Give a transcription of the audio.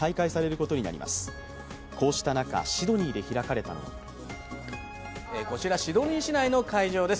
こうした中、シドニーで開かれたのはこちらシドニー市内の会場です。